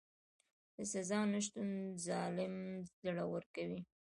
د سزا نشتون ظالم زړور کوي.